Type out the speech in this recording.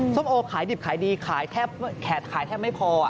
ส้มโอขายดิบขายดีขายแทบไม่พอ